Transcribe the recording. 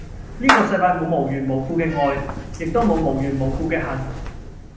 呢個世界冇無緣無故嘅愛，亦都冇無緣無故嘅恨